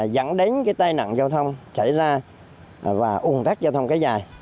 dẫn đến cái tai nặng giao thông xảy ra và ung thắt giao thông kéo dài